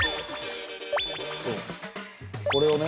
これをね